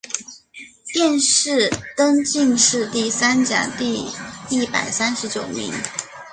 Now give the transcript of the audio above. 殿试登进士第三甲第一百三十九名。